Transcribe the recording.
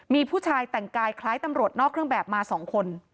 มีผู้ชายแต่งกายคล้ายตำรวจนอกเครื่องแบบมา๒คน